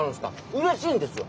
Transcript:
うれしいんですよ！